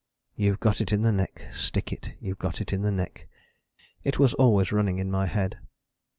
"You've got it in the neck, stick it, you've got it in the neck" it was always running in my head.